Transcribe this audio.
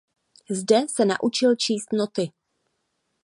Zde se naučil číst noty.